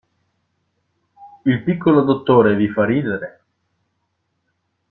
Il piccolo dottore vi fa ridere?